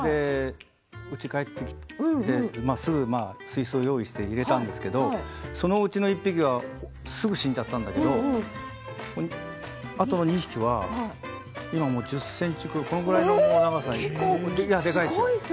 うちに帰ってきてすぐに水槽を用意して入れたんですけれどそのうちの１匹がすぐ死んじゃったんだけどあとの２匹は今もう１０ｃｍくらいの長さに。でかいんですよ。